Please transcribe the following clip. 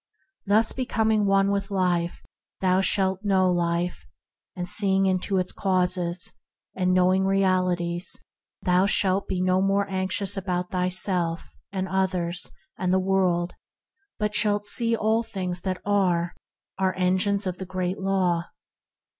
Thus becoming one with Life, thou shalt know all life, and, seeing into causes, and knowing realities, thou shalt be no more anxious about thyself and others and the world, but shalt see that all things that are are engines of the Great Law.